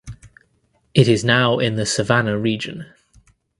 It is now in the Savannah region.